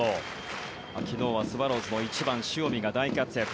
昨日はスワローズの１番塩見が大活躍。